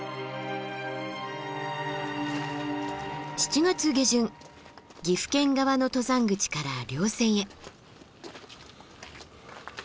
７月下旬岐阜県側の登山口から稜線へ。